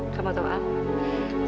kamu tau apa